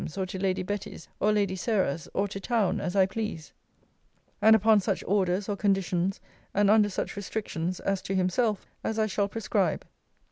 's, or to Lady Betty's or Lady Sarah's, or to town, as I please; and upon such orders, or conditions, and under such restrictions, as to himself, as I shall prescribe.'